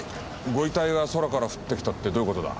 ご遺体が空から降ってきたってどういう事だ？